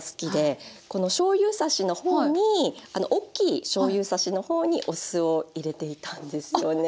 このしょうゆ差しの方に大きいしょうゆ差しの方にお酢を入れていたんですよね。